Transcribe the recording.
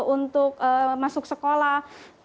untuk masuk sekolah